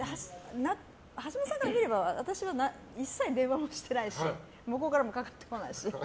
橋下さんから見れば、私は一切電話もしてないし向こうからもかかってこないし。